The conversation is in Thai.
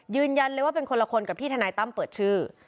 ยืนยันเลยว่าเป็นคนละคนกับที่ทนายตั้มเปิดชื่อ